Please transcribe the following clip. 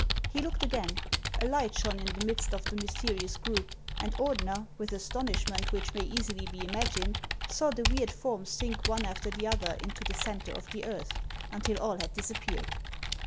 He looked again ; a light shone in the midst of the mysterious group, and Ordener, with astonishment which may easily be imag ined, saw the weird forms sink one after the other into the centre of the earth, until all had disappeared.